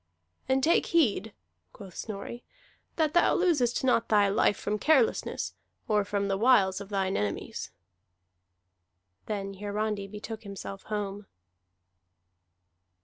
"And take heed," quoth Snorri, "that thou losest not thy life from carelessness, or from the wiles of thine enemies." Then Hiarandi betook himself home.